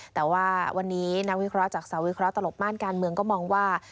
แต่ว่าวันนี้นักวิเคราะห์จากสาวิเคราะหลบม่านการเมืองก็มองว่า